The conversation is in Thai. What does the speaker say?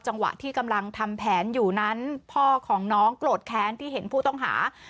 จังหวะที่กำลังทำแผนอยู่นั้นพ่อของน้องโกรธแค้นที่เห็นผู้ต้องหา